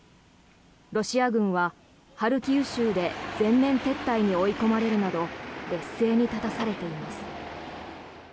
ロシア軍はハルキウ州で全面撤退に追い込まれるなど劣勢に立たされています。